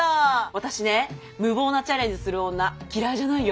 私ね無謀なチャレンジする女嫌いじゃないよ。